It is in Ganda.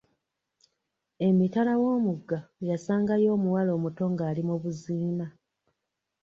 Emitala w'omugga yasangayo omuwala omuto ng'ali mu buziina.